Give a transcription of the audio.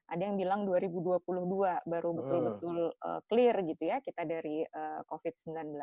ada yang bilang dua ribu dua puluh dua baru betul betul clear gitu ya kita dari covid sembilan belas